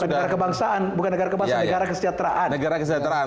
bukan negara kebangsaan bukan negara kebangsaan negara kesejahteraan